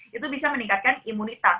itu bisa meningkatkan imunitas